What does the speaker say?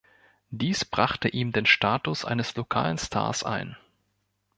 Dies brachte ihm den Status eines lokalen Stars ein.